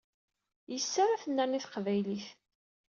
Yes-s ara tennerni teqbaylit.